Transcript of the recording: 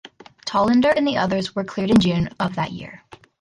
Tallinder and the others were cleared in June of that year.